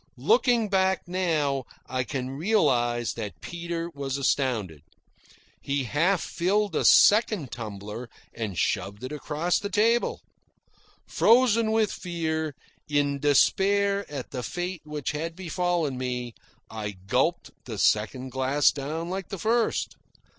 Looking back now, I can realise that Peter was astounded. He half filled a second tumbler and shoved it across the table. Frozen with fear, in despair at the fate which had befallen me, I gulped the second glass down like the first.